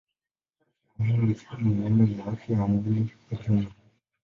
Afya ya meno ni sehemu muhimu ya afya ya mwili kwa jumla.